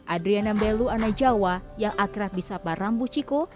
adriana mbelu anai jawa yang akrab bisapa rambu ciko